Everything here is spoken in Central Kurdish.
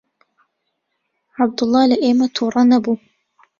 عەبدوڵڵا لە ئێمە تووڕە نەبوو.